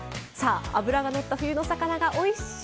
脂が乗った冬の魚がおいしい